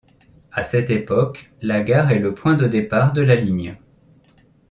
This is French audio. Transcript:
À cette époque, la gare est le point de départ de la ligne.